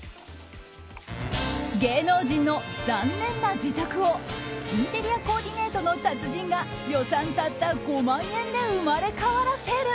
芸能人の残念な自宅をインテリアコーディネートの達人が予算たった５万円で生まれ変わらせる